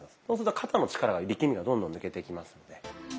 そうすると肩の力が力みがどんどん抜けていきますので。